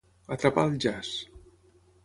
Atrapar al jaç.